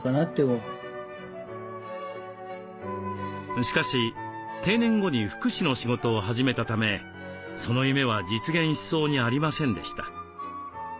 しかし定年後に福祉の仕事を始めたためその夢は実現しそうにありませんでした。